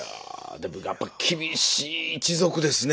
でもやっぱり厳しい一族ですね。